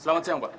selamat siang pak